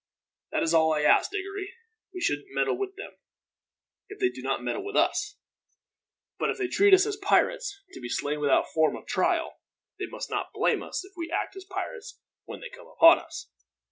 "That is all I ask, Diggory. We shan't meddle with them, if they do not meddle with us; but if they treat us as pirates, to be slain without form of trial, they must not blame us if we act as pirates when they come upon us.